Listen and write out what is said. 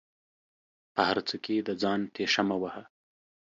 په هر څه کې د ځان تيشه مه وهه